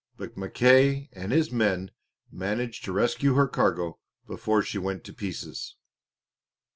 But Mackay and his men managed to rescue her cargo before she went to pieces.